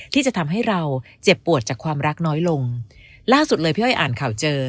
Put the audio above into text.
ที่จะทำให้เราเจ็บปวดจากความรักน้อยลงล่าสุดเลยพี่อ้อยอ่านข่าวเจอ